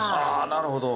なるほど。